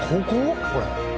これ。